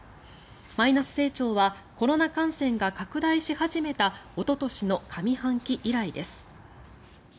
マイナス成長はコロナ感染が拡大し始めたおととしの上半期以来です。